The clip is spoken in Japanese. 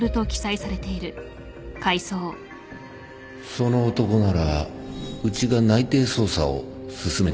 その男ならうちが内偵捜査を進めています